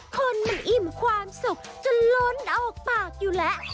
คนมันอิ่มความสุขจนล้นออกปากอยู่แล้ว